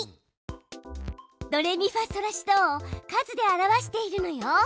ドレミファソラシドを数で表しているのよ。